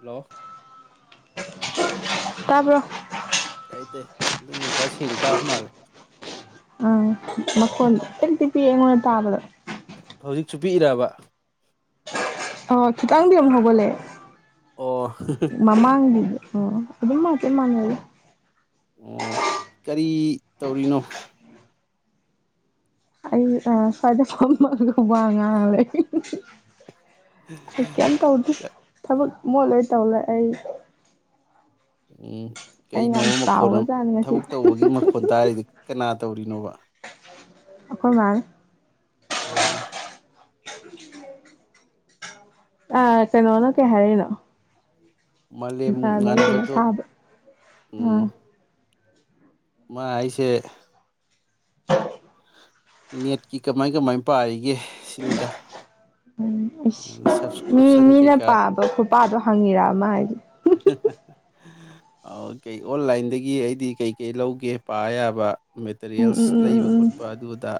hello ꯇꯥꯔꯕ ꯇꯥꯏ ꯇꯥꯏ ꯑꯗꯨꯅꯅꯨꯡꯈꯁꯤ ꯆꯇꯥ ꯃꯥ ꯑ ꯃꯀꯣꯟ ꯇ ꯇꯤ ꯄꯤ ꯌꯦꯡꯉꯣꯟꯅ ꯇꯥꯕꯗꯣ ꯍꯧꯖꯤꯛꯁꯨ ꯄꯤꯛꯏꯔꯕ ꯑ ꯀꯈꯤꯇꯪꯕꯤꯔꯝ ꯍꯕ ꯂꯩ ꯑꯣ ꯃꯃꯥꯡꯕꯤ ꯑꯣ ꯑꯗꯨꯝ ꯃꯥ ꯆꯦ ꯃꯥꯥꯟꯅꯦꯦ ꯑꯣ ꯀꯔꯤ ꯇꯧꯔꯤꯅꯣ ꯑꯩ ꯑ ꯐꯗ ꯍ ꯉꯔ ꯊ ꯀ ꯇ ꯍꯧꯗꯤ ꯊꯣ ꯃ ꯂꯩ ꯇꯧꯂꯛ ꯑꯩ ꯎꯝ ꯑꯩ ꯀꯩꯅꯣ ꯌꯥꯝ ꯃꯈꯣꯟꯅ ꯆꯥꯎꯒ꯭ꯔꯖꯥꯠꯅꯤ ꯉꯁꯤ ꯊꯕꯛ ꯇꯧꯕꯒꯤ ꯃꯈꯣꯟ ꯇꯥꯔꯤꯗꯤ ꯀꯅꯥ ꯇꯧꯔꯤꯅꯣꯕ ꯑꯩꯈꯣꯏ ꯃꯥ ꯑꯣ ꯑ ꯀꯩꯅꯣꯅ ꯀꯦ ꯍꯥꯏꯔꯅꯣ ꯃꯥꯂꯦꯝ ꯉꯥꯟꯕꯗꯣ ꯊꯥꯕ ꯎ ꯑ ꯃꯥ ꯑꯩꯁꯦ ꯍ ꯅꯦꯠꯀꯤ ꯀꯃꯥꯏ ꯀꯃꯥꯏ ꯄꯥꯔꯤꯒꯦ ꯁꯤꯅꯤꯗ ꯎꯝ ꯑ ꯃꯤ ꯁꯞꯁꯀ꯭ꯔꯤꯞꯁꯟ ꯃꯤꯅ ꯀꯩꯀꯥ ꯄꯥꯕ ꯈꯨꯣꯄꯥꯗꯣ ꯍꯪꯉꯤꯔꯛꯑꯃ ꯍꯥꯏꯁ ꯑꯣ ꯑꯣꯟꯂꯥꯏꯟꯗꯒꯤ ꯑꯩꯗꯤ ꯀꯩꯀꯩ ꯂꯧꯒꯦ ꯄꯥ ꯌꯥꯕ ꯎꯝ ꯃꯦꯇꯔꯤꯌꯦꯜꯁ ꯎꯝ ꯎꯝ ꯂꯩꯕ ꯎꯝ ꯈꯣꯠꯄ ꯑꯗꯨ ꯑꯗ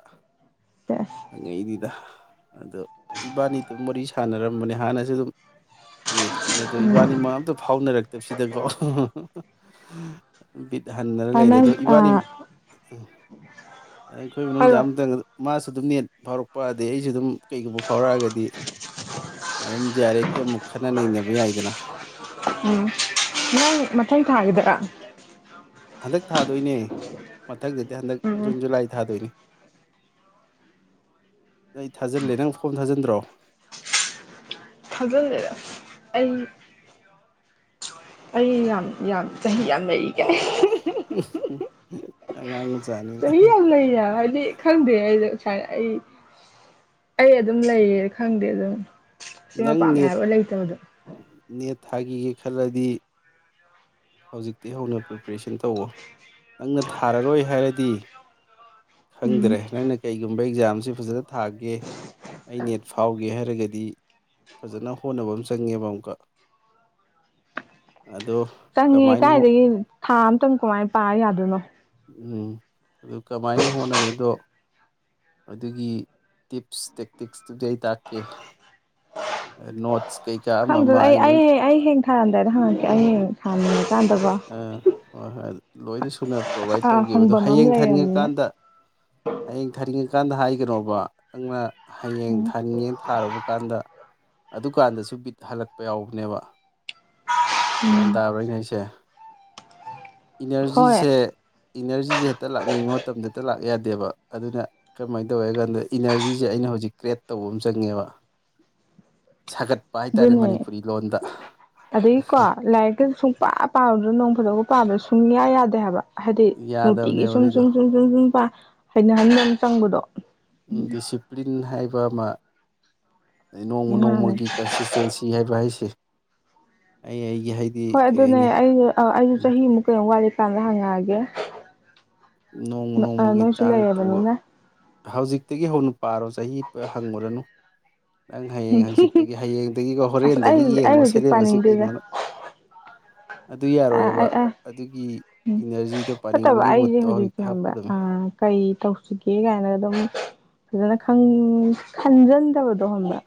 ꯍꯪꯉꯛꯢ ꯅꯤꯗ ꯑꯗꯣ ꯏꯕꯥꯅꯤꯗꯨꯝ ꯋꯥꯔꯤ ꯁꯥꯟꯅꯔꯝꯕꯅꯦ ꯍꯥꯟꯅꯁꯨ ꯑꯗꯨꯝ ꯅꯦꯠꯀꯤꯅꯦ ꯑꯗꯣ ꯏꯕꯥꯅꯤꯃꯛ ꯑꯝꯇ ꯐꯥꯎꯅꯔꯛꯇꯕꯁꯤꯗꯀꯣ ꯕꯤꯠ ꯍꯟꯗꯅ ꯎꯝ ꯂꯩꯔꯦ ꯅꯪ ꯑꯗꯣ ꯑ ꯏꯕꯥꯅꯤ ꯑꯩꯈꯣꯏ ꯃꯅꯨꯡꯗ ꯍꯥꯏꯔꯣ ꯑꯃꯇꯪ [unintelligible] ꯑꯗꯨꯝ ꯅꯦꯠ ꯐꯥꯎꯔꯛꯄ ꯑꯗꯩ ꯑꯩꯁꯨ ꯑꯗꯨꯝ ꯀꯩꯒꯨꯝꯕ ꯐꯥꯎꯔꯛꯑꯒꯗꯤ ꯑꯗꯨꯝ ꯖꯦ ꯑꯔ ꯑꯦꯐ ꯀꯤ ꯑꯃꯨꯛ ꯈꯟꯅ ꯅꯩꯅꯕ ꯌꯥꯏꯗꯅ ꯎꯝ ꯅꯪ ꯃꯊꯪ ꯊꯥꯒꯤꯗꯔꯥ ꯍꯟꯗꯛ ꯊꯥꯗꯣꯏꯅꯦ ꯃꯊꯪꯗ ꯍꯟꯗꯛ ꯎꯝ ꯖꯨꯟ ꯖꯨꯂꯥꯏ ꯊꯥꯗꯣꯏꯅꯤ ꯅꯣꯢ ꯊꯥꯖꯤꯜꯂꯦ ꯅꯪ ꯐꯣꯝ ꯊꯥꯖꯤꯟꯗ꯭ꯔꯣ ꯊꯥꯖꯟꯗꯦꯗꯥ ꯑꯩ ꯑꯩ ꯌꯥꯝ ꯌꯥꯝ ꯆꯍꯤ ꯌꯥꯝ ꯂꯩꯔꯤ ꯀꯥꯢ [unintelligible] ꯑꯉꯥꯡ ꯃꯥꯆ ꯆꯍꯤ ꯌꯥꯝ ꯂꯩꯅꯥ ꯍꯥꯏꯗꯤ ꯈꯪꯗꯦ ꯑꯩꯗꯨ ꯍꯥꯢ ꯑꯩ ꯑꯩ ꯑꯗꯨꯝ ꯂꯩꯌꯦ ꯈꯪꯗꯦ ꯑꯗꯨꯝ ꯁꯤꯃ ꯅꯪ ꯄꯥꯝꯃꯦ ꯍꯥꯏꯕ ꯂꯩꯇꯕꯗꯣ ꯊꯥꯒꯤꯒꯦ ꯈꯜꯂꯗꯤ ꯍꯧꯖꯤꯛꯇꯩ ꯍꯧꯅ ꯄ꯭ꯔꯤꯄꯦꯔꯦꯁꯟ ꯇꯧꯋꯣ ꯅꯪꯅ ꯊꯥꯔꯔꯣꯏ ꯍꯥꯏꯔꯗꯤ ꯗꯤ ꯎꯝ ꯈꯪꯗ꯭ꯔꯦ ꯅꯪꯅ ꯀꯩꯒꯨꯝꯕ ꯑꯦꯛꯖꯥꯝꯁꯦ ꯐꯖꯅ ꯊꯥꯒꯦ ꯑꯩ ꯅꯦꯠ ꯐꯥꯎꯒꯦ ꯍꯥꯏꯔꯒꯗꯤ ꯐꯖꯅ ꯍꯣꯠꯅꯕ ꯑꯃ ꯆꯪꯉꯦꯕ ꯑꯃꯨꯛꯀ ꯑꯗꯣ ꯆꯪꯉꯦ ꯀꯃꯥꯏꯅ ꯀꯥꯏꯗꯒꯤ ꯊꯥ ꯑꯇꯪ ꯀꯃꯥꯏꯅꯥ ꯄꯥ ꯌꯥ ꯑꯗꯨꯅꯣ [unintelligible] ꯎꯝ ꯑꯗꯨ ꯀꯃꯥꯏꯅ ꯍꯣꯠꯅꯅꯤꯗꯣ ꯑꯗꯨꯒꯤ ꯇꯤꯞꯁ ꯇꯦꯛꯇꯤꯛꯁ ꯇꯨꯗꯤ ꯑꯩ ꯇꯥꯛꯀꯦ ꯅꯣꯠ ꯈꯪꯗꯦꯗ ꯑꯩ ꯑꯩ ꯑꯩ ꯍꯌꯦꯡ ꯊꯥꯔꯝꯗꯥꯏꯗ ꯍꯪꯉꯛꯀꯦ ꯑꯩ ꯍꯌꯦꯡ [unintelligible] ꯑ ꯍꯣꯏ ꯍꯣꯏ ꯂꯣꯏꯅ ꯁꯨꯅ ꯄ꯭ꯔꯣꯚꯥꯏꯠ ꯇꯧꯒꯦꯕ ꯑꯗꯨꯣ ꯍꯪꯐꯝ ꯑꯃ ꯍꯌꯦꯡ ꯂꯩꯔꯕꯅꯤꯅ ꯊꯥꯅꯤꯡꯉꯀꯥꯟꯗ ꯍꯌꯦꯡ ꯊꯥꯅꯤꯡꯉ ꯀꯥꯟꯗ ꯍꯥꯏꯒꯅꯣꯕ ꯅꯪꯅ ꯍꯌꯦꯡ ꯎꯝ ꯊꯅꯤꯉꯦ ꯊꯥꯔꯨꯕ ꯀꯥꯟꯗ ꯑꯗꯨꯀꯥꯟꯗꯁꯨ ꯕꯤꯠ ꯍꯜꯂꯛꯄ ꯌꯥꯎꯕꯅꯦꯕ ꯒ꯭ꯌꯥꯟ ꯇꯥꯕꯔꯣꯏꯅꯦ ꯑꯩꯁꯦ ꯍꯣꯏ ꯏꯅꯔꯖꯤꯁꯦ ꯏꯅꯔꯖꯤꯁꯦ ꯍꯦꯛꯇ ꯂꯥꯛꯅꯤꯡꯕ ꯃꯇꯝꯗꯦ ꯂꯥꯛ ꯌꯥꯗꯦꯕ ꯑꯗꯨꯅ ꯀꯔꯝꯍꯥꯏꯅ ꯇꯧꯋꯦ ꯍꯥꯏ ꯀꯥꯟꯗ ꯏꯅꯔꯖꯤꯁꯦ ꯑꯩꯅ ꯍꯧꯖꯤꯛ ꯀ꯭ꯔꯤꯌꯦꯠ ꯇꯧꯕ ꯑꯃ ꯆꯪꯉꯦꯕ ꯁꯥꯒꯠꯄ ꯍꯥꯏꯇꯥꯔꯦ ꯑꯗꯨꯅꯦ ꯃꯅꯤꯄꯨꯔꯤ ꯂꯣꯟꯗ ꯑꯗꯒꯤ ꯀꯣ ꯂꯥꯏꯔꯤꯛꯛꯇ ꯁꯨꯡꯄꯥ ꯄꯥ ꯑꯗꯨ ꯅꯣꯡ ꯐꯖꯕ ꯄꯥꯕ꯭ꯔꯥ ꯁꯨꯡꯅꯤꯌꯥ ꯌꯥꯗꯦ ꯍꯥꯏꯕ ꯍꯥꯏꯗꯤ ꯅꯨꯡꯇꯤꯒꯤ ꯌꯥꯗꯕꯅꯦꯕ ꯁꯨꯝ ꯑꯗꯨꯏꯗꯣ ꯁꯨꯝ ꯁꯨꯝ ꯁꯨꯝ ꯁꯨꯝ ꯄꯥ ꯍꯥꯏꯩꯅ ꯍꯥꯏꯪ ꯆꯪꯕꯗꯣ ꯗꯤꯁꯤꯄ꯭ꯂꯤꯟ ꯍꯥꯏꯕ ꯋꯥꯃ ꯑꯗꯩ ꯅꯣꯡꯃ ꯃꯥꯅꯦ ꯅꯣꯡꯃꯒꯤ ꯀꯟꯁꯤꯁꯇꯦꯟꯁꯤ ꯍꯥꯏꯕ ꯍꯥꯏꯁꯦ ꯑꯩ ꯍꯥꯏꯗꯤ ꯍꯣꯏ ꯀꯔꯤ ꯑꯗꯨꯅꯦ ꯍꯥꯏꯅꯤ ꯑꯩ ꯑꯩꯁꯨ ꯆꯍꯤꯃꯨꯛ ꯀꯩꯅꯨꯛ ꯋꯥꯠꯂꯤꯦ ꯀ꯭ꯔ ꯍꯦ ꯅꯣꯡꯃ ꯅꯣꯡꯃꯒꯤ ꯆꯥꯡ ꯄꯨꯕ ꯍꯧꯖꯤꯛꯇꯒꯤ ꯍꯧꯅ ꯄꯥꯔꯣ ꯆꯍꯤ ꯄꯨ ꯍꯪꯉꯨꯔꯅꯨ ꯅꯪ ꯍꯌꯦꯡ ꯍꯪꯆꯤꯠꯇꯨꯒꯤ ꯍꯌꯦꯡꯗꯒꯤꯀꯣ ꯑꯁ ꯑꯩ ꯍꯣꯔꯦꯟꯗꯒꯤ ꯑꯩ ꯌꯦꯡꯉꯣ ꯍꯧꯖꯤꯛ ꯁꯦꯂꯦꯕꯁꯁꯤ ꯀꯩꯅꯣꯅ ꯑꯗꯨ ꯌꯥꯔꯣꯏꯕ ꯑꯗꯨꯒꯤ ꯎꯝ ꯏꯅꯔꯖꯤꯗꯣ ꯅꯠꯇꯕ ꯄꯥꯅꯤꯡꯕꯒꯤ ꯑꯩꯁꯦ ꯃꯨꯠꯇꯣ ꯍꯧꯖꯤꯛ ꯍꯧꯖꯤꯛꯁꯦ ꯍꯪꯕ ꯍꯥꯞꯀꯗꯕꯅꯤ ꯀꯔꯤ ꯇꯧꯁꯤꯒꯦ ꯀꯥꯏꯅ ꯑꯗꯨꯝ ꯐꯖꯅ ꯈꯟꯖꯟꯗꯕꯗꯣ ꯁꯣꯝꯗ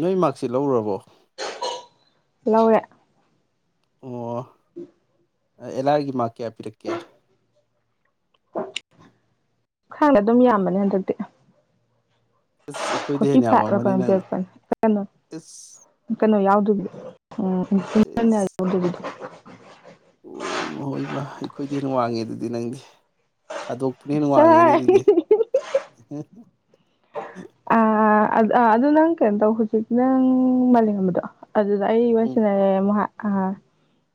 ꯅꯣꯏ ꯃꯥꯔꯁꯤꯠ ꯂꯧꯔꯨꯔꯕꯣ ꯂꯧꯔꯦ ꯑꯣ ꯎꯝ ꯑꯦꯂꯥꯏꯒꯤ ꯃꯥ ꯀꯌꯥ ꯄꯤꯔꯛꯀꯦ ꯈꯪꯗꯦ ꯑꯗꯨꯝ ꯌꯥꯝꯕꯅꯦ ꯑꯗꯨꯗꯤ ꯑꯁ ꯑꯩꯈꯣꯏꯗ ꯐꯣꯔꯇꯤ ꯍꯦꯟꯅ ꯐꯥꯏꯚ ꯂ ꯌꯥꯝꯃꯝꯃꯅꯤ ꯀꯩꯅꫭꯝ ꯅꯪꯅ ꯄꯤꯔꯛꯄꯅꯤ ꯀꯩꯅꯣ ꯏꯁ ꯀꯩꯅꯣ ꯌꯥꯎꯗ ꯇ [inaudible] ꯍꯣꯏꯕ ꯍ ꯑꯣꯏꯕ ꯑꯩꯈꯣꯏꯗꯤ ꯍ ꯋꯥꯡꯉꯦ ꯑꯗꯨꯗꯤ ꯅꯪꯗꯤ ꯊꯥꯗꯣꯛꯄꯅ ꯍꯦ ꯋꯥꯡꯉꯦꯅꯦ ꯁꯥꯔ ꯑꯗꯨꯗꯤ ꯑꯥ ꯑꯗꯨ ꯅꯪ ꯀꯩꯅꯣ ꯇꯧ ꯍꯧꯖꯤꯛ ꯅꯪ ꯃꯥꯂꯦꯝꯝꯕꯗꯣ ꯑꯗꯨꯗ ꯑꯩ ꯎꯝ ꯋꯥꯔꯤꯁꯤꯅꯔꯦ ꯃꯍꯥꯛ ꯑ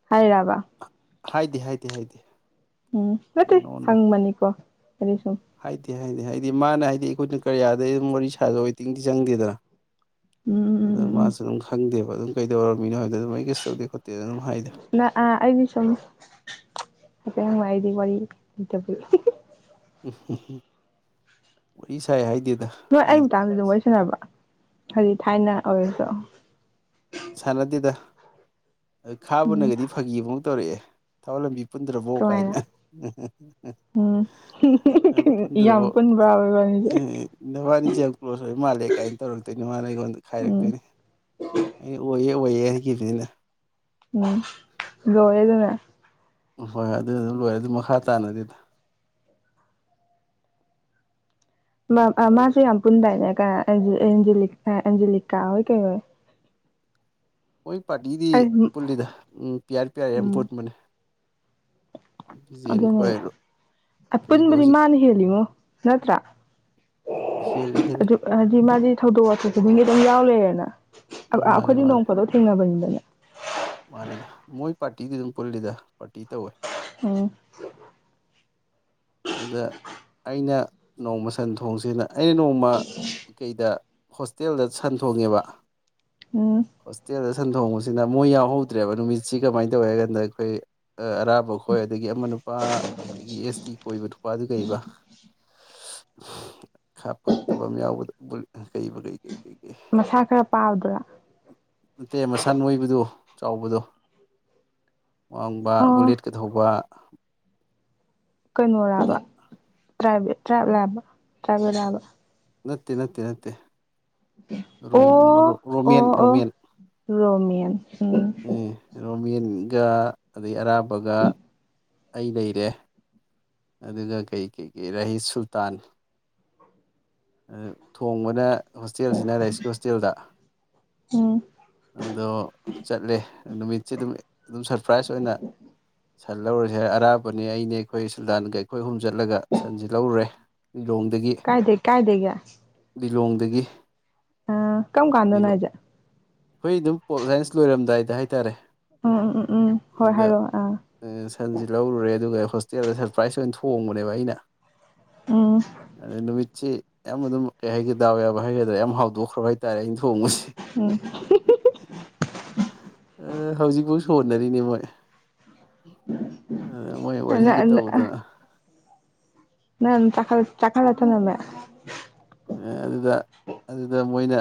ꯍꯥꯏꯔꯥꯕ ꯍꯥꯏꯗꯦ ꯍꯥꯏꯗꯦ ꯍꯥꯏꯗꯦ ꯎꯝ ꯅꯠꯇꯦ ꯅꯣ ꯅꯣ ꯍꯪꯕꯅꯤ ꯀꯣ ꯀꯔꯤꯁꯨ ꯀ ꯍꯥꯏꯅꯤ ꯍꯥꯏꯗꯤ ꯃꯥꯅ ꯍꯥꯏꯗꯤ ꯑꯩꯈꯣꯏꯅ ꯀꯔꯤꯌꯥꯗꯩ ꯑꯗꯨꯝ ꯋꯥꯔꯤ ꯁꯥꯖ ꯋꯦꯇꯤꯡꯗꯤ ꯆꯪꯗꯦꯗꯅ ꯎꯝ ꯎꯝ ꯎꯝ ꯑꯗꯨꯗ ꯎꯝ ꯎꯝ ꯃꯥꯁꯨ ꯑꯗꯨ ꯑꯗꯨꯝ ꯈꯪꯗꯦꯕ ꯑꯗꯨꯝ ꯀꯩꯗꯧꯔ ꯃꯤꯅ ꫭꯍꯥꯏꯕꯗ ꯑꯗꯨꯝ ꯑꯩ ꯀꯩꯁꯨ ꯇꯧꯗꯦ ꯈꯣꯠꯇꯦ ꯑꯗꯨꯝ ꯍꯥꯏꯗ ꯅ ꯑꯥ ꯑꯩꯗꯤ ꯁꯨꯝ ꯍꯥꯏꯐꯦꯠ ꯍꯪꯕ ꯑꯩꯗꯤ ꯋꯥꯔꯤ ꯏꯠꯇꯕꯨ ꯎꯝ ꯋꯥꯔꯤ ꯁꯥꯏ ꯍꯥꯏꯗꯦ ꯅꯣꯏ ꯑꯩ ꯃꯇꯥꯡꯁ ꯑꯗꯨꯝ ꯋꯥꯔꯤꯁꯤꯟꯅꯅꯕ ꯍꯥꯏꯗꯤ ꯊꯥꯏꯅ ꯑꯣꯏꯔꯁꯨ ꯁꯅꯗꯤꯗ ꯎꯝ ꯈꯥꯕꯅꯒꯗꯤ ꯐꯥꯒꯤꯕꯧ ꯇꯧꯔꯛꯑꯦ ꯁꯧꯂꯕꯤ ꯄꯨꯟꯗ꯭ꯔꯕꯣ ꯀꯃꯥꯏꯅ ꯀꯥꯏꯅ ꯎꯝ ꯄꯨꯟꯗ꯭ꯔꯕꯣ ꯌꯥꯝ ꯄꯨꯟꯕ꯭ꯔꯥꯕ ꯏꯕꯥꯅꯤꯁꯦ ꯅꯕꯥꯅꯤꯁꯦ ꯌꯥꯝ ꯀ꯭ꯂꯣꯖ ꯑꯣꯏꯕ ꯃꯥꯜꯂꯦ ꯀꯥꯏꯅ ꯇꯧꯔꯛꯇꯣꯏꯅꯦ ꯃꯥꯅ ꯑꯩꯉꯣꯟꯗ ꯎꯝ ꯈꯥꯏꯔꯛꯇꯣꯏꯅꯦ ꯑꯣꯏꯌꯦ ꯑꯣꯏꯌꯦ ꯍꯥꯏꯈꯤꯕꯅꯤ ꯑꯩꯅ ꯎꯝ ꯂꯣꯏꯔꯦꯗꯅ ꯎꯝ ꯍꫭꯏ ꯍꫭꯏ ꯑꯗꯨ ꯑꯗꯨꯝ ꯂꯣꯏꯔꯦ ꯑꯗꯨ ꯃꯈꯥ ꯇꯥꯅꯗꯦꯗ ꯃꯥꯁꯨ ꯌꯥꯝ ꯄꯨꯟꯗꯥꯏꯅꯦ ꯑꯦꯟꯖꯤꯂꯤꯀꯥ ꯍꯣꯏ ꯀꯩ ꯍꯣꯏ ꯃꯣꯏ ꯄꯥꯔꯇꯤꯗꯤ ꯑꯩ ꯄꯨꯜꯂꯤꯗ ꯎ ꯄꯤꯌꯥꯔ ꯄꯤꯌꯥꯔ ꯌꯥꯝ ꯎꯝ ꯄꯨꯟꯕꯅꯦ ꯖꯦꯟ ꯑꯗꯨꯅꯦ ꯈꯣꯏ ꯀꯩꯕ ꯑꯄꯨꯟꯕꯗꯤ ꯍꯧꯖꯤꯛ ꯃꯥꯅ ꯍꯦꯜꯂꯤꯉꯣ ꯅꯠꯇ꯭ꯔꯥ ꯍꯦꯜꯂꯤ ꯍꯦꯜꯂꯤ ꯖꯤꯃꯖꯤ ꯊꯧꯗꯣꯛ ꯋꯥꯊꯣꯛ ꯈꯨꯗꯤꯡꯒꯤ ꯑꯗꯨꯝ ꯌꯥꯎ ꯂꯩꯔꯦꯅ ꯃꯥꯅꯦ ꯑꯩꯈꯣꯏꯗꯤ ꯅꯣꯡ ꯃꯥꯅꯦ ꯐꯗꯣ ꯊꯦꯡꯅꯕꯅꯤꯗꯅꯦ ꯃꯥꯅꯤꯗ ꯃꯣꯏ ꯄꯥꯔꯇꯤꯗꯤ ꯑꯗꯨꯝ ꯄꯨꯜꯂꯤꯗ ꯄꯥꯔꯇꯤ ꯇꯧꯋꯦ ꯎꯝ ꯑꯗꯨꯗ ꯑꯩꯅ ꯅꯣꯡꯃ ꯁꯟ ꯊꯣꯡꯁꯤꯅ ꯑꯩꯅ ꯅꯣꯡꯃ ꯀ ꯀꯩꯗ ꯍꯣꯁꯇꯦꯜꯗ ꯁꯟ ꯊꯣꯡꯉꯦꯕ ꯎꯝ ꯍꯁꯗ ꯁꯟ ꯊꯣꯡꯕꯁꯤꯅ ꯃꯣꯏ ꯌꯥꯎꯍꯧꯗ꯭ꯔꯦꯕ ꯅꯨꯃꯤꯠꯁꯤ ꯀꯃꯥꯏꯅ ꯇꯧꯏꯦ ꯍꯥꯏ ꯀꯥꯟꯗ ꯑꯩꯈꯣꯏ ꯑꯔꯥꯕ ꯈꯣꯏ ꯑꯗꯒꯤ ꯑꯃꯅ ꯅꯨꯄꯥ ꯑꯩꯈꯣꯏꯒꯤ ꯑꯦꯁ ꯇꯤ ꯀꯣꯏꯕ ꯅꯨꯄꯥꯗꯨ ꯀꯩꯕ ꯈꯥ ꯄꯛꯇꯕ ꯌꯥꯎꯕ ꯀꯩꯕ ꯀꯩꯀꯩ ꯀꯩꯀꯩ ꯃꯁꯥ ꯈꯔ ꯄꯥꯕꯗꯨꯔꯥ ꯅꯠꯇꯦꯛ ꯃꯁꯥꯟꯅꯣꯏꯕꯗ ꯆꯥꯎꯕꯗꯣ ꯋꯥꯡꯕ ꯑꯣ ꯕꯨꯂꯦꯠꯀ ꯊꯧꯕ ꯀꯟꯣꯣꯔꯕ ꯇ꯭ꯔꯥꯏꯚꯦꯠ ꯇ꯭ꯔꯥꯏꯕ ꯂꯕ ꯇ꯭ꯔꯥꯏꯚꯦꯠ ꯂꯥꯕ ꯅꯠꯇꯦ ꯅꯠꯇꯦ ꯅꯠꯇꯦ ꯑꯣ ꯑꯣ ꯔꯣꯃꯦꯟ ꯑꯣ ꯔꯣꯃꯦꯟ ꯔꯣꯃꯤꯌꯥꯟ ꯎꯝ ꯔꯣꯃꯤꯟꯒ ꯑꯗꯩ ꯑꯔꯥꯕꯒ ꯑꯩ ꯂꯩꯔꯦ ꯑꯗꯨꯒ ꯀꯩ ꯀꯩꯀꯩ ꯔꯥꯍꯤꯁ ꯁꯨꯜꯇꯥꯟ ꯊꯣꯡꯕꯅ ꯍꯣꯁꯇꯦꯜꯁꯤꯅ ꯔꯥꯏꯁꯀꯤ ꯍꯣꯁꯇꯦꯜꯗ ꯎꯝ ꯑꯗꯣ ꯆꯠꯂꯦ ꯅꯨꯃꯤꯠꯁꯦ ꯑꯗꯨꯝ ꯑꯗꯨꯝ ꯁꯔꯄ꯭ꯔꯥꯏꯁ ꯑꯣꯏꯅ ꯁꯟ ꯂꯧꯔꯁꯦ ꯑꯔꯥꯞꯄꯅꯦ ꯑꯩꯅꯦ ꯑꯩꯈꯣꯏ ꯁꯨꯜꯗꯥꯟꯒ ꯑꯩꯈꯣꯏ ꯑꯍꯨꯝ ꯆꯠꯂꯒ ꯁꯟꯁꯤ ꯂꯧꯔꯨꯔꯦ ꯂꯤꯂꯣꯡꯗꯒꯤ ꯀꯥꯏꯗꯦꯒ ꯂꯤꯂꯣꯡꯗꯒꯤ ꯑ ꯀꯝ ꯀꯥꯟꯗ ꯂꯤꯂꯣꯡ ꯅꯖꯦ ꯑꯩꯈꯣꯏ ꯑꯗꯨꯝ ꯄꯣꯠ ꯁꯥꯏꯟꯁ ꯂꯣꯏꯔꯝꯗꯥꯏꯗ ꯍꯥꯏꯇꯥꯔꯦ ꯎꯝ ꯎꯝ ꯎꯝ ꯎꯝ ꯍꯣꯏ ꯑꯗ ꯍꯥꯏꯔꯛꯑꯣ ꯑꯥ ꯁꯟꯁꯤ ꯂꯧꯔꯨꯔꯦ ꯑꯗꯨꯒ ꯍꯣꯁꯇꯦꯜꯗ ꯁꯔꯄ꯭ꯔꯥꯏꯖ ꯑꯣꯏꯅ ꯊꯣꯡꯕꯅꯦꯕ ꯑꯩꯅ ꯎꯝ ꯑꯅꯃꯤ ꯁꯤ ꯌꯥꯝ ꯑꯗꯨꯝ ꯀꯩ ꯍꯥꯏꯒꯦ ꯗꯥꯎ ꯌꯥꯕ ꯍꯥꯏꯒꯗ꯭ꯔꯥ ꯌꯥꯝ ꯍꯥꯎꯗꯣꯛꯈ꯭ꯔꯕ ꯍꯥꯏ ꯇꯥꯔꯦ ꯑꯩꯅ ꯊꯣꯡꯉꯨꯁꯦ ꯎꯝ ꯁꯣꯟꯅꯔꯤꯅꯦ ꯃꯣꯏ ꯑ ꯃꯣꯏ ꯋꯥꯔꯤꯒ ꯇꯧꯗꯅ ꯅ ꯆꯈ ꯆꯀꯥꯔ ꯆ ꯅꯃꯦ ꯑꯗꯨꯗ ꯑꯗꯨꯗ ꯃꯣꯏꯅ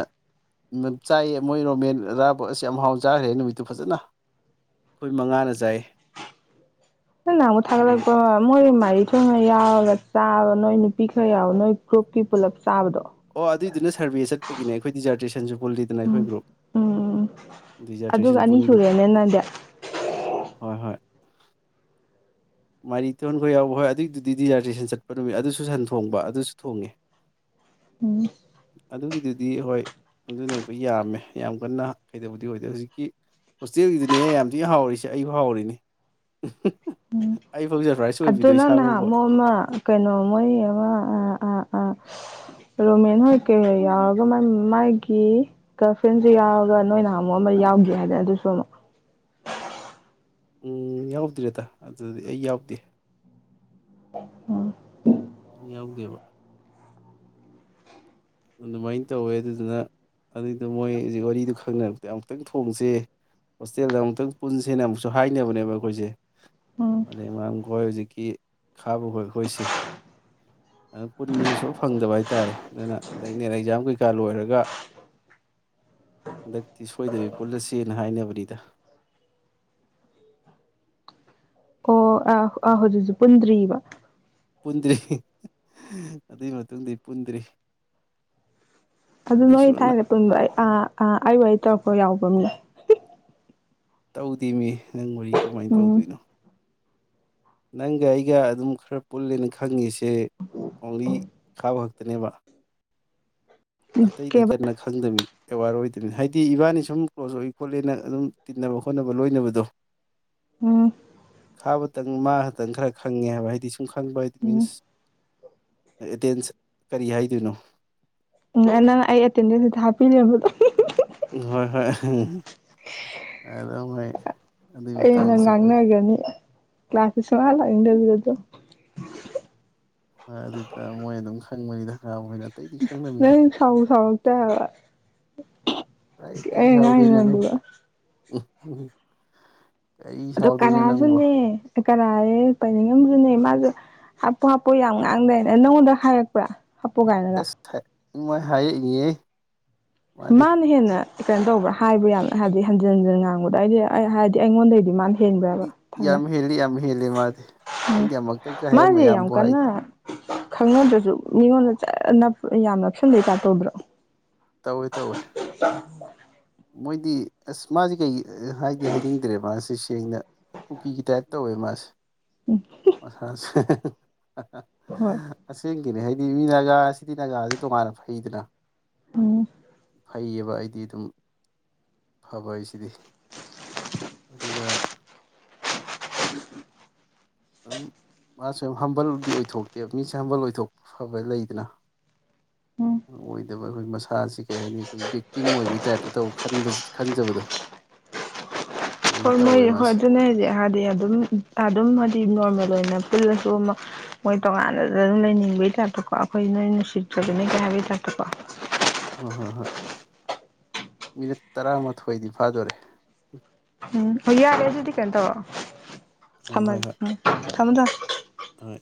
ꯆꯥꯏꯑ ꯃꯣꯏ ꯔꯣꯃꯦꯟ ꯑꯔꯥꯕꯣꯠ ꯑꯁꯤ ꯌꯥꯝ ꯍꯥꯎ ꯆꯥꯈ꯭ꯔꯦ ꯅꯨꯃꯤꯠꯇꯨ ꯐꯖꯅ ꯑꯩꯈꯣꯏ ꯃꯉꯥꯅ ꯆꯥꯏꯌꯦ ꯅ ꯃꯨ ꯊꯥ ꯂꯄꯣ ꯃꯣꯏ ꯃꯔꯤ ꯊꯣꯏ ꯃ ꯆꯥ ꯅꯣꯏ ꯅꯨꯄꯤꯈ ꯌꯥ ꯅꯣꯏ ꯀ꯭ꯔꯣꯞꯀꯤ ꯄꯨꯂꯞ ꯆꯥꯕꯗꯣ ꯑꯣ ꯑꯗꯨꯏꯗꯨꯅ ꯁꯔꯚꯦ ꯆꯠꯄꯒꯤꯅꯦ ꯑꯩꯈꯣꯏ ꯗꯤꯖꯥꯔꯇꯦꯁꯟꯁꯨ ꯄꯨꯜꯂꯤꯗꯅ ꯑꯩꯈꯣꯏ ꯎꯝ ꯒ꯭ꯔꯨꯞ ꯎꯝ ꯗꯤꯖꯥꯔꯇꯦꯁꯟ ꯑꯗꯨꯒ ꯑꯅꯤ ꯄꯨꯟꯕꯒꯤ ꯁꯨꯔꯦꯅꯦ ꯅꯪꯗꯤ ꯍꯣꯏ ꯍꯣꯏ ꯃꯔꯤ ꯊꯣꯟꯈꯣꯏ ꯌꯥꯎꯕ ꯍꯣꯏ ꯑꯗꯨꯒꯤꯗꯨꯗꯤ ꯔꯤꯖꯥꯔꯇꯦꯁꯟ ꯆꯠꯄ ꯅꯨꯃꯤꯠ ꯑꯗꯨꯁꯨ ꯁꯟ ꯊꯣꯡꯕ ꯑꯗꯨꯁꯨ ꯊꯣꯡꯉꯦ ꯎꯝ ꯑꯗꯨꯒꯤꯗꯨꯗꯤ ꯍꯣꯏ ꯑꯗꯨꯅꯦ ꯑꯃꯨꯈ ꯌꯥꯝꯃꯦ ꯌꯥꯝ ꯀꯟꯅ ꯀꯩꯗꯧꯕꯗꯤ ꯑꯣꯏꯗꯦ ꯍꯧꯖꯤꯛꯀꯤ ꯍꯣꯁꯇꯦꯜꯒꯤꯗꯨꯅꯤꯍ ꯌꯥꯝ ꯊꯤ ꯍꯥꯎꯔꯤꯁꯦ ꯑꯩꯕꯨ ꯍꯥꯎꯔꯤꯅꯤ ꯑꯩꯐꯥꯎ ꯁꯔꯄ꯭ꯔꯥꯏꯁ ꯑꯣꯏꯕꯤꯗꯣ ꯑꯗꯨꯅ ꯏꯁꯥ ꯐꯥꯎꯕ ꯅꯍꯥꯟ ꯃꯣꯃ ꯀꯩꯅꯣ ꯃꯣꯏ ꯑ ꯔꯣꯃꯦꯟ ꯍꯣꯏ ꯀꯩ ꯌꯥꯎꯔꯒ ꯃꯥꯒꯤ ꯒꯔꯜꯐ꯭ꯔꯦꯟꯁꯨ ꯌꯥꯎꯔꯒ ꯅꯣꯏ ꯅꯍ ꯑꯃꯨꯛ ꯑꯃ ꯌꯥꯎꯒꯦ ꯍꯥꯏꯗꯅ ꯑꯗꯨꯁꯨ ꯑꯃꯨꯛ ꯎꯝ ꯌꯥꯎꯗ꯭ꯔꯦꯗ ꯑꯗꯨꯗꯤ ꯑꯩ ꯌꯥꯎꯗꯦ ꯌꯥꯎꯗꯦꯕ ꯑꯗꯨꯃꯥꯏꯅ ꯇꯧꯋꯦ ꯑꯗꯨꯗꯨꯅ ꯑꯗꯨꯏꯗꯣ ꯃꯣꯏ ꯍꯧꯖꯤꯛ ꯋꯥꯔꯤꯗꯨ ꯈꯪꯅꯔꯛꯇꯗ ꯑꯃꯨꯛꯇꯪ ꯊꯣꯡꯁꯦ ꯍꯣꯁꯇꯦꯜꯗ ꯑꯃꯨꯛꯇꯪ ꯄꯨꯟꯁꯦꯅ ꯑꯃꯨꯛꯁꯨ ꯍꯥꯏꯅꯕꯅꯦꯕ ꯑꯩꯈꯣꯏꯁꯦ ꯎꯝ ꯃꯔ ꯃꯔꯝ ꯈꯣꯏ ꯍꯧꯖꯤꯛꯀꯤ ꯈꯥꯕꯈꯣꯏ ꯑꯩꯈꯣꯏꯁꯦ ꯑꯗꯨ ꯄꯨꯟꯕꯁꯦ ꯁ ꯐꯪꯗꯕ ꯍꯥꯏ ꯇꯥꯔꯦ ꯑꯗꯨꯅ ꯍꯟꯗꯛ ꯅꯅ ꯑꯦꯛꯖꯥꯝ ꯀꯩꯀꯥ ꯂꯣꯏꯔꯒ ꯍꯟꯗꯛꯇꯤ ꯁꯣꯏꯗꯕꯤ ꯄꯨꯜꯂꯁꯦꯅ ꯍꯥꯏꯅꯕꯅꯤꯗ ꯑꯣ ꯑ ꯑꯥ ꯍꯧꯖꯤꯛ ꯍꯧꯖꯤꯛ ꯄꯨꯟꯗ꯭ꯔꯤꯕꯔꯤꯕ ꯄꯨꯟꯗ꯭ꯔꯤ ꯑꯗꯨꯒꯤ ꯃꯇꯨꯡꯗ ꯄꯨꯟꯗ꯭ꯔꯤ ꯑꯗꯨ ꯅꯣꯏ ꯏꯁꯣꯔꯅ ꯊꯥꯏꯅ ꯇꯨꯡꯗꯣ ꯑꯩ ꯑꯥ ꯑꯩ ꯋꯥ ꯇꯧꯔꯛꯄ ꯌꯥꯎꯕꯦ ꯃꯝ ꯇꯧꯗꯦꯅꯦ ꯅꯪ ꯋꯥꯔꯤ ꯀꯃꯥꯏꯅ ꯎꯝ ꯇꯧꯗꯣꯏꯅꯣ ꯅꯪꯒ ꯑꯩꯒ ꯑꯗꯨꯝ ꯈꯔ ꯄꯨꯜꯂꯦꯅ ꯈꯪꯉꯤꯁꯦ ꯑꯣꯡꯂꯤ ꯈꯥꯕ ꯈꯛꯇꯅꯦꯕ ꯑꯇꯩꯗꯤ ꯀꯦꯕ ꯀꯟꯅ ꯈꯪꯗꯃꯤ ꯑꯦꯋꯥꯔ ꯑꯣꯏꯗꯕꯅꯤ ꯍꯥꯏꯗꯤ ꯏꯕꯥꯅꯤ ꯁꯨꯝ ꯀ꯭ꯂꯣꯖ ꯑꯣꯏ ꯈꯣꯠꯂꯦꯅ ꯑꯗꯨꯝ ꯇꯤꯟꯅꯕ ꯈꯣꯠꯅꯕ ꯂꯣꯏꯅꯕꯗꯣ ꯑꯣ ꯈꯥꯕ ꯇ ꯃꯥ ꯈꯥꯛꯇꯪ ꯈꯔ ꯈꯪꯉꯦ ꯍꯥꯏꯕ ꯍꯥꯏꯗꯤ ꯁꯨꯝ ꯈꯪꯕ ꯃꯤꯟꯁ ꯑꯦꯇꯦꯟꯁ ꯀꯔꯤ ꯍꯥꯏꯗꯣꯏꯅꯣ ꯎ ꯇꯦꯟꯁ ꯍꯥꯄꯤꯅꯦꯣ ꯍꯣꯏ ꯍꯣꯏ [inaudible] ꯑꯦ ꯅꯪ ꯃꯇꯥꯡꯗꯁꯨ ꯑꯩꯈꯣꯏ ꯑꯪꯅꯒꯅꯤ ꯀ꯭ꯂꯥꯁꯁꯅꯂ ꯏꯟꯗꯔꯚꯔꯁꯨ ꯍꯣꯏ ꯑꯗꯨꯇꯥ ꯃꯣꯏ ꯑꯗꯨꯝ ꯈꯪꯕꯅꯤ ꯗꯔꯀꯥꯔꯅ ꯅ ꯁꯥꯎ ꯁꯥꯎ ꯇ ꯍꯥꯏꯕ ꯑ ꯉꯅ ꯑꯗꯨꯒꯕ ꯎꯝ ꯎꯝ ꯑꯗꯣ ꯀꯅꯥꯁꯨꯅꯦ ꯀꯔꯥꯏ ꯄꯥꯏꯅꯤꯡꯉꯝꯒꯅꯤ ꯃꯥꯖꯨ ꯍꯥꯞꯄꯨ ꯍꯥꯞꯄꯨ ꯌꯥꯝ ꯉꯥꯡꯗꯥꯢꯅꯦ ꯅꯉꯣꯟꯗ ꯍꯥꯏꯔꯛꯄ꯭ꯔꯥ ꯍꯥꯄꯨ ꯀꯥꯏꯅꯒ ꯃꯥꯏ ꯍꯥꯏꯔꯛꯏꯑꯦ ꯃꯥꯅ ꯍꯦꯟꯅ ꯀꯩꯅꯣ ꯇꯧꯕ꯭ꯔꯥ ꯍꯥꯏꯕ꯭ꯔ ꯌꯥꯝꯅ ꯍꯥꯏꯗꯤ ꯍꯟꯖꯤꯟ ꯍꯟꯖꯤꯟ ꯉꯥꯡꯕꯗ ꯑꯩꯗꯤ ꯑꯩ ꯍꯥꯏꯗꯤ ꯑꯩꯉꯣꯟꯗꯩꯗꯤ ꯃꯥꯅ ꯍꯦꯟꯕ꯭ꯔꯕ ꯊꯥꯏꯅ ꯌꯥꯝ ꯍꯦꯜꯂꯤ ꯌꯥꯝ ꯍꯦꯜꯂꯤ ꯃꯥꯗꯤ ꯎꯝ ꯅꯪꯗꯤ ꯑꯃꯨꯛꯇꯪꯒ ꯍꯥꯏꯔꯝ ꯃꯥꯁꯦ ꯌꯥꯝ ꯃꯌꯥꯝꯕꯨ ꯍꯥꯏ ꯀꯟꯅ ꯈꯪꯅꯗ꯭ꯔꯁꯨ ꯃꯤꯉꯣꯟꯗ ꯖꯔ ꯅꯞ ꯌꯥꯝ ꯅꯞꯁꯤꯟꯕꯩ ꯇꯥꯢꯄ ꯇꯧꯗ꯭ꯔꯣ ꯇꯧꯏ ꯇꯧꯏ ꯃꯣꯏꯗꯤ ꯑꯁ ꯃꯥꯁꯦ ꯀꯩ ꯍꯥꯏꯗꯤ ꯍꯥꯏꯅꯤꯡꯗ꯭ꯔꯦ ꯃꯥꯁꯦ ꯁꯦꯡꯅ ꯀꯨꯀꯤꯒꯤ ꯇꯥꯏꯞ ꯇꯧꯋꯦ ꯃꯥꯁꯦ ꯑꯁꯥꯁꯦ ꯍ ꯍꯣꯏ ꯑꯁꯤ ꯀꯅꯦ ꯍꯥꯏꯗꯤ ꯃꯤ ꯅꯥꯒꯥꯁꯤꯗꯤ ꯅꯥꯒꯥꯁꯤ ꯇꯣꯉꯥꯟꯅ ꯐꯩꯗꯅ ꯎꯝ ꯍꯩꯌꯦꯕ ꯑꯩꯗꯤ ꯑꯗꯨꯝ ꯐꯕꯣꯏ ꯁꯤꯗꯤ ꯑꯗꯨꯒ [unintelligible] ꯑꯗꯨꯝ ꯃꯥꯁꯨ ꯍꯝꯕꯜꯗꯤ ꯑꯣꯢꯊꯣꯛꯇꯦ ꯃꯤꯁꯦ ꯍꯝꯕꯜꯕꯨꯗꯤ ꯑꯣꯏꯊꯣꯛꯄ ꯐꯕ ꯂꯩꯗꯅ ꯎꯝ ꯑꯣꯏꯗꯕ ꯑꯈꯣꯏ ꯃꯁꯥꯁꯤ ꯀꯩ ꯍꯥꯏꯅꯤ ꯑꯈꯣꯏ ꯕꯦꯛꯇꯤꯝ ꯑꯣꯏꯕꯩ ꯇꯥꯏꯞꯇ ꯇꯧꯕ ꯈꯟꯖ ꯈꯟꯖꯕꯗꯣ ꯑꯗꯨ ꯍꯣꯏ ꯃꯣꯏ ꯇꯧꯋꯦ ꯍꯣꯏ ꯃꯥꯁꯦ ꯑꯗꯨꯅꯦ ꯍꯥꯏꯗꯤ ꯍꯥꯏꯗꯤ ꯑꯗꯨꯝ ꯑꯗꯨꯝ ꯁꯤ ꯅꯣꯔꯃꯦꯜ ꯑꯣꯏꯅ ꯄꯨꯜꯂꯁꯨ ꯑꯃ ꯃꯣꯏ ꯇꯣꯉꯥꯟꯅ ꯑꯗꯨꯝ ꯂꯩꯅꯤꯡꯕꯩ ꯇꯥꯏꯞꯇꯀꯣ ꯑꯈꯣꯏ ꯅꯣꯏ ꯅꯨꯡꯁꯤꯠꯇ꯭ꯔꯕꯅ ꯀꯩ ꯍꯥꯏꯕꯩ ꯇꯥꯏꯞꯇꯀꯣ ꯍꯣꯏ ꯍꯣꯏ ꯍꯣꯏ ꯃꯤꯅꯤꯠ ꯇꯔꯥꯃꯊꯣꯏꯗꯤ ꯐꯥꯗꯧꯔꯦ ꯎꯝ ꯌꯥꯔꯦ ꯑꯗꯨꯗꯤ ꯀꯩꯅꯣ ꯇꯧꯔꯣ ꯎꯝ ꯍꯣꯏ ꯊꯝꯁꯤ ꯍꯣꯏ ꯊꯝꯃꯣ ꯊꯝ ꯍꯣꯏ